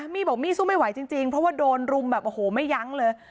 มี่บอกมี่สู้ไม่ไหวจริงเพราะว่าโดนรุมแบบโอ้โหไม่ยั้งเลย